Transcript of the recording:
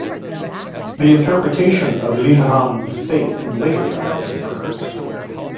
The interpretation of Limhamn's fate in later times diverge.